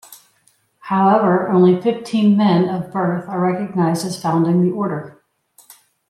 However only fifteen men of birth are recognized as founding the Order.